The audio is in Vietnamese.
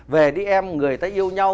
về đi em người ta yêu nhau